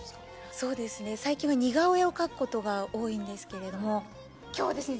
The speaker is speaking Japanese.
そうですね最近は似顔絵を描くことが多いんですけれども今日ですね